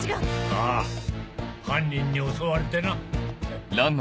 ああ犯人に襲われてな。